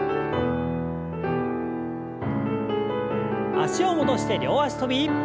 脚を戻して両脚跳び。